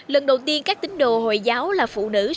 lần đầu tiên các tính đồ hồi giáo là phụ nữ